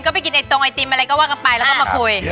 ก็ไปกินไอตรงไอติมอะไรก็ว่ากันไปแล้วก็มาคุย